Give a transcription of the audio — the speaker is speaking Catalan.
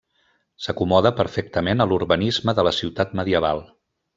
S'acomoda perfectament a l'urbanisme de la ciutat medieval.